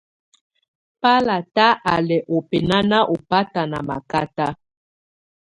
Bálátá á lɛ́ ɔ́ bɛ́naná ɔbáta ná mákáta.